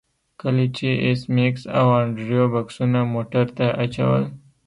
کله چې ایس میکس او انډریو بکسونه موټر ته اچول